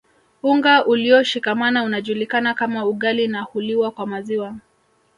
Unga ulioshikamana unajulikana kama ugali na huliwa kwa maziwa